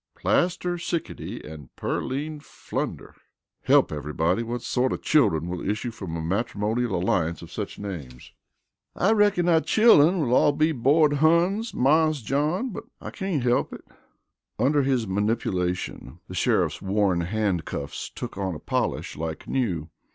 "Plaster Sickety and Pearline Flunder help, everybody! What sort of children will issue from a matrimonial alliance of such names?" "I reckin our chillun will all be borned Huns, Marse John; but I cain't he'p it." Under his manipulation the sheriff's worn handcuffs took on a polish like new.